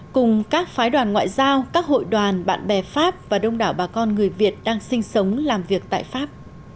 cùng các phái đoàn ngoại giao các hội đoàn bạn bè pháp và đông đảo bà con người việt đang sinh sống làm việc tại pháp